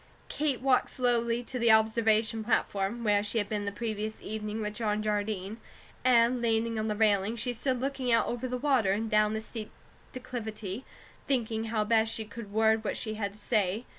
Kate walked slowly to the observation platform, where she had been the previous evening with John Jardine; and leaning on the railing, she stood looking out over the water, and down the steep declivity, thinking how best she could word what she had to say.